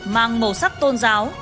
mang màu sắc tôn giáo